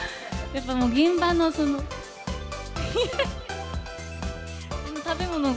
やっぱもう、現場のその。